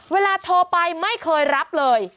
เวลาโทรไปไม่เคยรับเลย